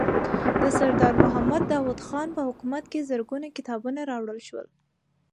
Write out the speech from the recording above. د سردار محمد داود خان په حکومت کې زرګونه کتابونه راوړل شول.